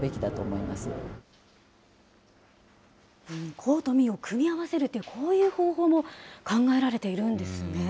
公と民を組み合わせるっていう、こういう方法も考えられているんですね。